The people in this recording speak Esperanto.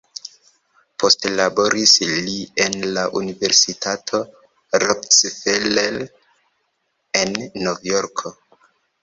Poste laboris li en la Universitato Rockefeller en Novjorko.